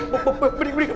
bob bob beri beri